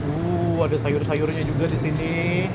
uh ada sayur sayurnya juga di sini